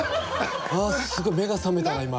あすごい目が覚めたな今。